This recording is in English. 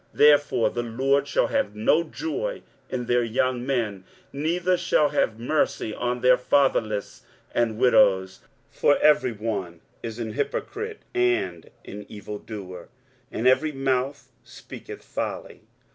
23:009:017 Therefore the LORD shall have no joy in their young men, neither shall have mercy on their fatherless and widows: for every one is an hypocrite and an evildoer, and every mouth speaketh folly.